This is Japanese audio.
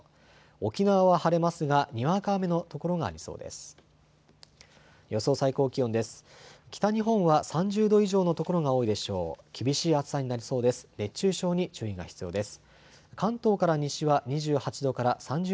沖縄は晴れますがにわか雨の所がありそうです。